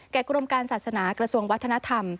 กรมการศาสนากระทรวงวัฒนธรรม